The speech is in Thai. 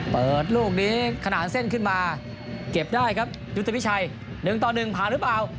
เปิดลูกนี้ขนาดเส้นขึ้นมาเก็บได้ครับยุทธพิชัย๑ต่อ๑ผ่านหรือเปล่า